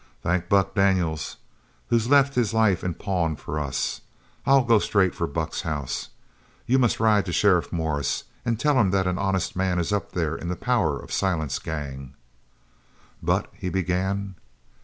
"Thank Buck Daniels, who's left his life in pawn for us. I'll go straight for Buck's house. You must ride to Sheriff Morris and tell him that an honest man is up there in the power of Silent's gang." "But " he began.